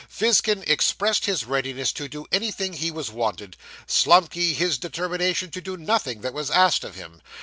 Fizkin expressed his readiness to do anything he was wanted: Slumkey, his determination to do nothing that was asked of him.